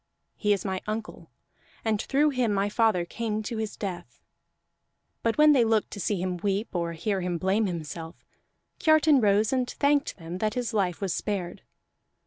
He is my uncle, and through him my father came to his death." But when they looked to see him weep, or hear him blame himself, Kiartan rose and thanked them that his life was spared.